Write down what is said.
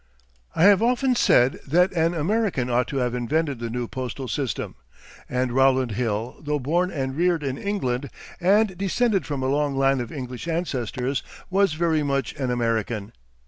I have often said that an American ought to have invented the new postal system; and Rowland Hill, though born and reared in England, and descended from a long line of English ancestors, was very much an American.